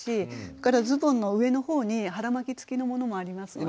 それからズボンの上の方に腹巻き付きのものもありますので。